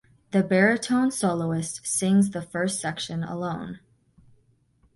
The baritone soloist sings the first section alone.